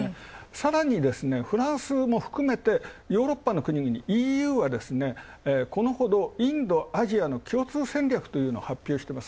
さらにフランスも含めてヨーロッパの国々ＥＵは、このほどインド、アジアの共通戦略を発表してます。